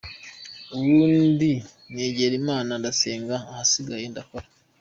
Ubundi negera Imana ndasenga ahasigaye ndakora.